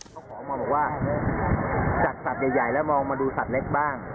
เขาของบอกว่าจัดสัตว์ใหญ่และมองมาดูสัตว์เล็กบ้าง